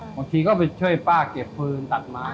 บางทีก็ไปช่วยป้าเก็บฟืนตัดไม้